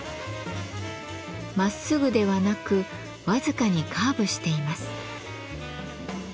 まっすぐではなく僅かにカーブしています。